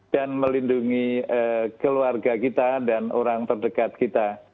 dan melindungi keluarga kita dan orang terdekat kita